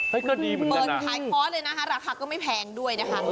เปิดขายคอร์สเลยนะฮะราคาก็ไม่แพงด้วยนะฮะ